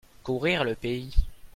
courir le pays.